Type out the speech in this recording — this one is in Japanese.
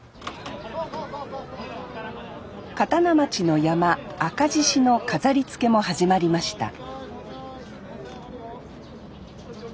刀町の曳山赤獅子の飾りつけも始まりました